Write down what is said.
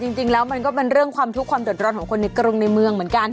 จริงแล้วมันก็เป็นเรื่องความทุกข์ความเดือดร้อนของคนในกรุงในเมืองเหมือนกัน